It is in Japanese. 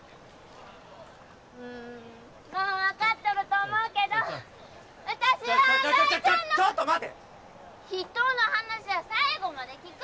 うんもう分かっとると思うけど私はちょちょちょちょっと待て人の話は最後まで聞く！